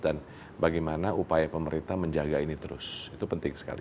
bagaimana upaya pemerintah menjaga ini terus itu penting sekali